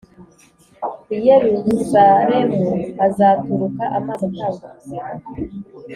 i Yerusalemu hazaturuka amazi atanga ubuzima